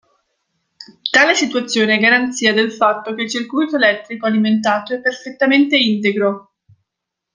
Tale situazione è garanzia del fatto che il circuito elettrico alimentato è perfettamente integro.